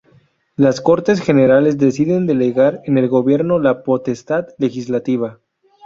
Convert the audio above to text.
Las Cortes Generales deciden delegar en el Gobierno la potestad legislativa.